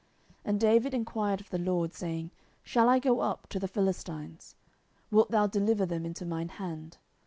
10:005:019 And David enquired of the LORD, saying, Shall I go up to the Philistines? wilt thou deliver them into mine hand?